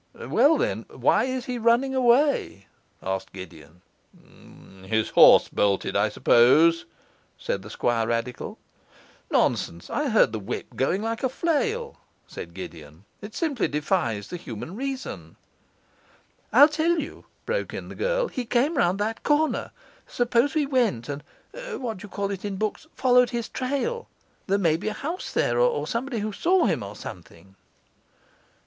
'Well, then, why is he running away?' asked Gideon. 'His horse bolted, I suppose,' said the Squirradical. 'Nonsense! I heard the whip going like a flail,' said Gideon. 'It simply defies the human reason.' 'I'll tell you,' broke in the girl, 'he came round that corner. Suppose we went and what do you call it in books? followed his trail? There may be a house there, or somebody who saw him, or something.